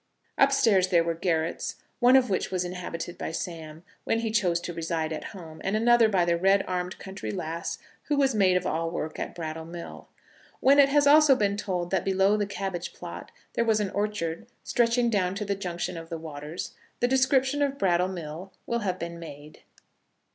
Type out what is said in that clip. Upstairs there were garrets, one of which was inhabited by Sam, when he chose to reside at home; and another by the red armed country lass, who was maid of all work at Brattle Mill. When it has also been told that below the cabbage plot there was an orchard, stretching down to the junction of the waters, the description of Brattle Mill will have been made.